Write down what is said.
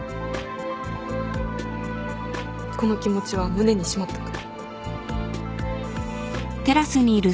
この気持ちは胸にしまっとく。